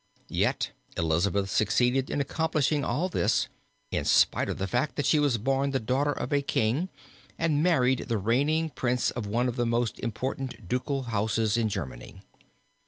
Yet Elizabeth succeeded in accomplishing all this in spite of the fact that she was born the daughter of a king and married the reigning prince of one of the most important ducal houses in Germany.